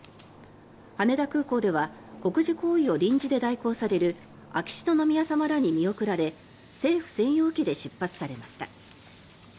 羽田空港では国事行為を臨時で代行される秋篠宮さまらに見送られ政府専用機で出発されました。